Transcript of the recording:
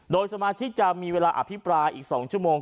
โดยสมาชิกจะมีเวลาอภิปรายอีก๒ชั่วโมง